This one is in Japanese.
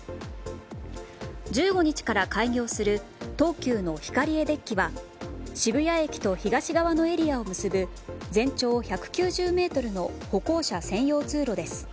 １５日から開業する東急のヒカリエデッキは渋谷駅と東側のエリアを結ぶ全長１９０ｍの歩行者専用通路です。